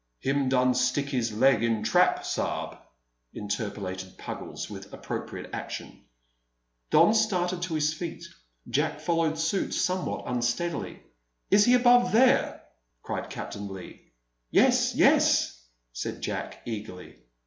"Him done stick his leg in trap, sa'b," interpolated Puggles, with appropriate action. Don started to his feet. Jack followed suit, somewhat unsteadily. "Is he above there?" cried Captain Leigh. "Yes, yes!" said Jack eagerly.